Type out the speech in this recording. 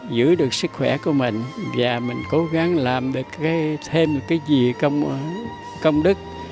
giúp được sức khỏe của mình và mình cố gắng làm được thêm một cái gì công đức